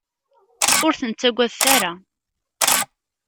Ur ten-ttagadet ara!